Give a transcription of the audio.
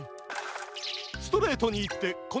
ストレートにいってこのひとです。